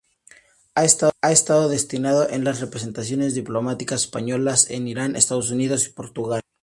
Ha estado destinado en las representaciones diplomáticas españolas en Irán, Estados Unidos y Portugal.